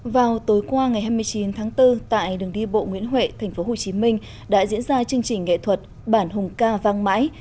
vào tối qua ngày hai mươi chín tháng bốn tại đường đi bộ nguyễn huệ tp hcm đã diễn ra chương trình nghệ thuật bản hùng ca vang mãi